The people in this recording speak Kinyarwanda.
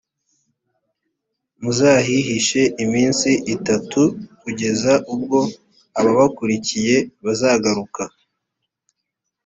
muzahihishe iminsi itatu, kugeza ubwo ababakurikiye bazagaruka,